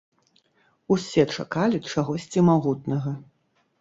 Усе чакалі чагосьці магутнага.